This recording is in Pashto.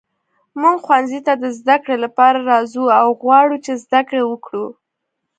موږ ښوونځي ته د زده کړې لپاره راځو او غواړو چې زده کړې وکړو.